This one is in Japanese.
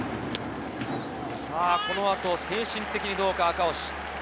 このあと精神的にどうか、赤星。